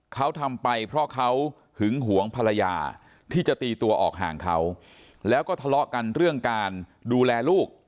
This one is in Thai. เขาทำไปเพราะเขาหึงหวงภรรยาที่จะตีตัวออกห่างเขาแล้วก็ทะเลาะกันเรื่องการดูแลลูก